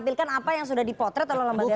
bukan apa yang sudah dipotret oleh lembaga survei